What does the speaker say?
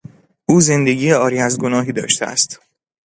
او زندگی عاری از گناهی داشته است.